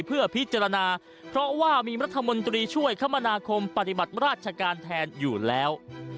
เพื่อพิจารณาเพราะว่ามีรัฐมนตรีช่วยคมนาคมปฏิบัติราชการแทนอยู่แล้ว